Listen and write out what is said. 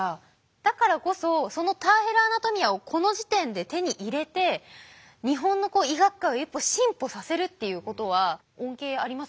だからこそその「ターヘル・アナトミア」をこの時点で手に入れて日本の医学界を一歩進歩させるっていうことは恩恵ありますもんね。